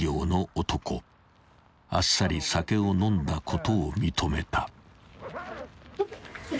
［あっさり酒を飲んだことを認めた］